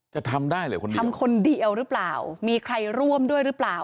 จะทำได้เหรอคนนี้ทำคนเดียวหรือเปล่ามีใครร่วมด้วยหรือเปล่า